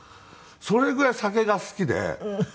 それぐらい酒が好きで。